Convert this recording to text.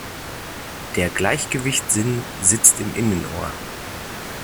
Der Gleichgewichtssinn sitzt im Innenohr.